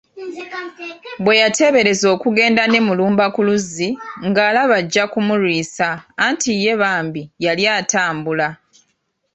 Bwe yateebereza okugenda ne Mulumba ku luzzi ng’alaba ajja kumulwisa anti ye bambi yali atambula